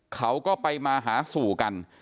เขาก็ไปมาหาสู่กัน